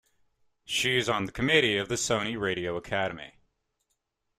She is on the committee of the Sony Radio Academy.